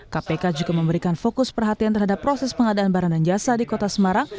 kpk juga memberikan fokus perhatian terhadap proses pengadaan barang dan jasa di kota semarang